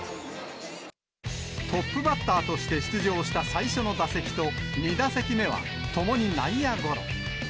トップバッターとして出場した最初の打席と２打席目は、ともに内野ゴロ。